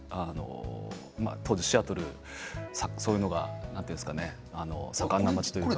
当時シアトルはそういうのが盛んな町。